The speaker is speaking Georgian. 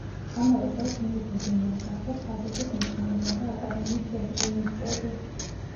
ამავე წელს მეუფე ზენონი გახდა ფაზისის მეცნიერებათა აკადემიის პრეზიდიუმის წევრი.